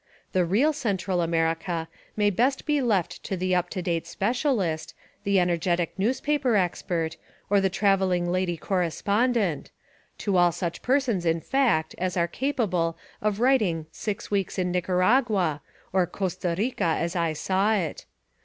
The "real Central America" may best be left to the up to date specialist, the energetic newspaper expert, or the travelling lady cor respondent, — to all such persons, in fact, as are capable of writing Six Weeks in Nicaragua, or Costa Rica As I Saw It.